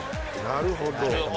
なるほど。